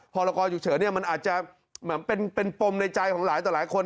พรกรฉุกเฉินมันอาจจะเหมือนเป็นปมในใจของหลายต่อหลายคน